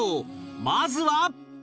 まずは